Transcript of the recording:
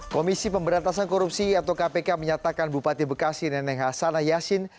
komisi pemberantasan korupsi atau kpk menyatakan bupati bekasi neneng hasanah yasin